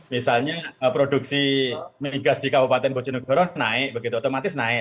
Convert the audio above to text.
misalnya produksi migas di kabupaten bojonegoro naik begitu otomatis naik